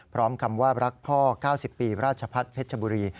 คำว่ารักพ่อ๙๐ปีราชพัฒน์เพชรบุรี